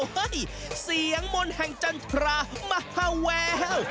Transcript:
เฮ่ยเสียงมนแห่งจันทรมาหาวา